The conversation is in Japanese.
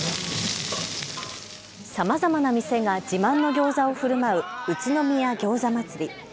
さまざまな店が自慢のギョーザをふるまう宇都宮餃子祭り。